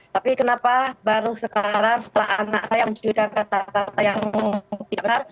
tapi kenapa baru sekarang setelah anak saya mencurikan kata kata yang tiba